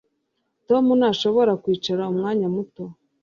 Tom ntashobora kwicara umwanya muto